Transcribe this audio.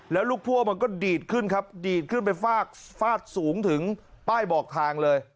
แล้วลูกพั่วมันก็ดีดขึ้นครับดีดขึ้นไปฟาดฟาดสูงถึงป้ายบอกทางเลย